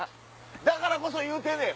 だからこそ言うてんねん！